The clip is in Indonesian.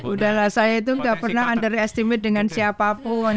udahlah saya itu gak pernah underestimate dengan siapapun